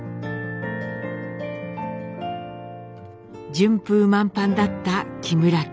順風満帆だった木村家。